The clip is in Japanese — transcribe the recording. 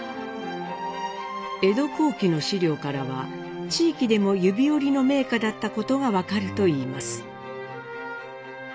江戸後期の史料からは地域でも指折りの名家だったことが分かるといいます。